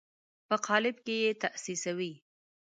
په قالب کې یې تاسیسوي.